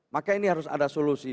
maka ini harus ada solusi